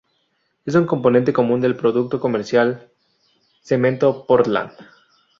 Es un componente común del producto comercial "cemento Portland".